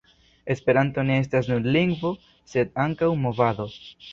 Esperanto ne estas nur lingvo, sed ankaŭ movado.